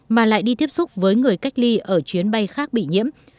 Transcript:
mà lại đi tiếp xúc với người cách ly ở chuyến bay khác bị nhiễm